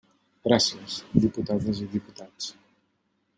Gràcies, diputades i diputats.